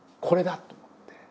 「これだ！」と思って。